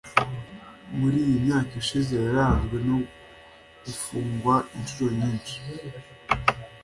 muri iyi myaka ishize yaranzwe no gufungwa inshuro nyinshi